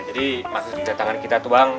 jadi maksudnya datangan kita tuh bang